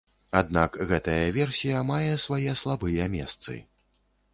Аднак гэтая версія мае свае слабыя месцы.